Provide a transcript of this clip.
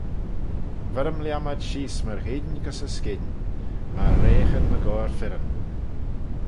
Ver-ym lhiam ad sheese myr eayin gys y skynn, myr reaghyn ny goair fyrryn.